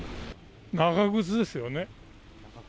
長靴ですよね。